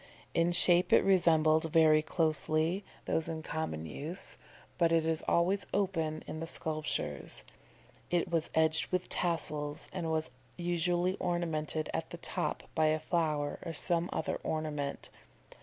In shape it resembled, very closely, those in common use; but it is always open in the sculptures. It was edged with tassels, and was usually ornamented at the top by a flower or some other ornament.